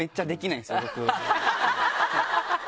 ハハハハ！